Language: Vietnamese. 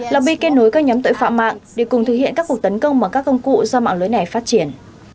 lobi kết nối các nhóm tội phạm mạng để cùng thực hiện các cuộc tấn công bằng các công cụ do mạng lưới này phát triển